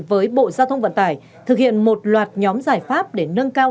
với bộ giao thông vận tải thực hiện một loạt nhóm giải pháp để nâng cao